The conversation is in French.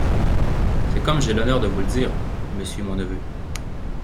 C'est comme j'ai l'honneur de vous le dire, monsieur mon neveu.